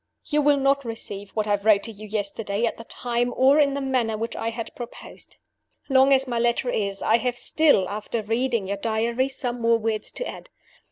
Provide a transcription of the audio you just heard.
"You will not receive what I wrote to you yesterday at the time or in the manner which I had proposed. Long as my letter is, I have still (after reading your Diary) some more words to add.